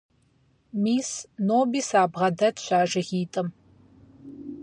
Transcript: Мис, ноби сабгъэдэтщ а жыгитӀым.